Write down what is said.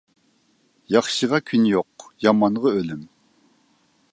ياخشىغا كۈن يوق، يامانغا ئۆلۈم.